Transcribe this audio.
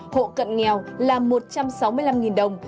hộ cận nghèo là một trăm sáu mươi năm đồng